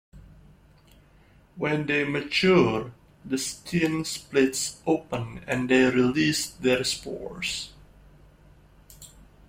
When they mature, the skin splits open and they release their spores.